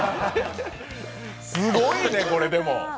すごいね、これ、でも。